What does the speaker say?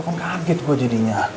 kan kaget gue jadinya